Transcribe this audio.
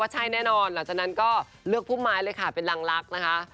ใช่แน่นอนหลังจากนั้นก็เลือกพุ่มไม้เลยค่ะเป็นรังลักษณ์นะคะ